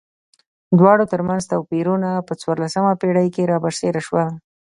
دواړو ترمنځ توپیرونه په څوارلسمه پېړۍ کې را برسېره شول.